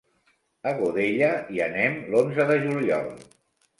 A Godella hi anem l'onze de juliol.